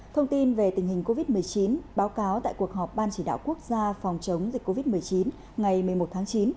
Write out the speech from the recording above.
thông tin về tình hình covid một mươi chín báo cáo tại cuộc họp ban chỉ đạo quốc gia phòng chống dịch covid một mươi chín ngày một mươi một tháng chín